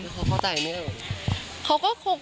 เขาเข้าใจไหม